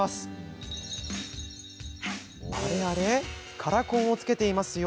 カラコンをつけていますよ。